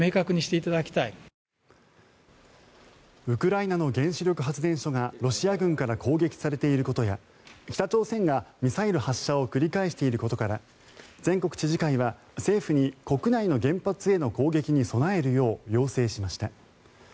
ウクライナの原子力発電所がロシア軍から攻撃されていることや北朝鮮がミサイル発射を繰り返していることから全国知事会は政府に国内の原発への攻撃に備えるよう要請しました。